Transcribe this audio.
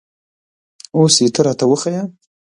اوس یې ته را ته وښیه